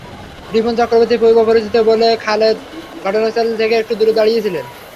রিপন চক্রবর্তীর পূর্বপরিচিত বলে খালেদ ঘটনাস্থল থেকে একটু দূরে দাঁড়িয়ে ছিলেন।